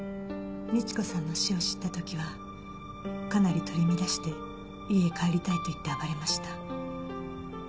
美智子さんの死を知ったときはかなり取り乱して家へ帰りたいと言って暴れました。